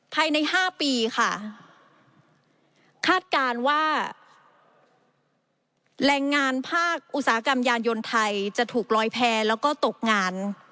ภายใน๕ปีค่ะคาดการณ์ว่าแรงงานภาคอุตสาหกรรมยานยนต์ไทยจะถูกลอยแพร่แล้วก็ตกงาน